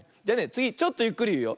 つぎちょっとゆっくりいうよ。